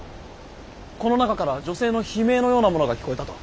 この中から女性の悲鳴のようなものが聞こえたと。